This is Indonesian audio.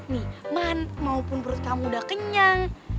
nih man maupun perut kamu udah kenyang